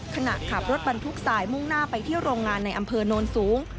ขณะขับรถบรรทุกทรายมุ่งหน้าไปที่โรงงานในอำเภอโนนสูง